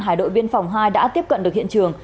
hải đội biên phòng hai đã tiếp cận được hiện trường